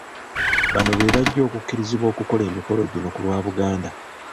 Bano be bajja okukkirizibwa okukola emikolo gino ku lwa Buganda.